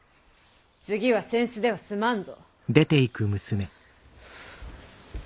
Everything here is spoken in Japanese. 次は扇子では済まんぞ。